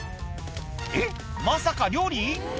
えっまさか料理？